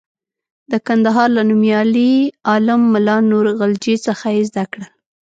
د کندهار له نومیالي عالم ملا نور غلجي څخه یې زده کړل.